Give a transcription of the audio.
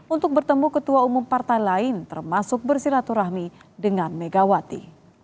untuk bertemu ketua umum partai lain termasuk bersilaturahmi dengan megawati